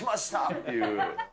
っていう。